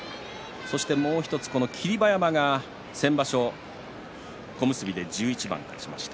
そして、もう１つ霧馬山が先場所小結で１１番、勝ちました。